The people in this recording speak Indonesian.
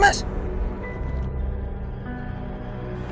mas buruan mas